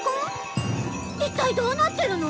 一体どうなってるの？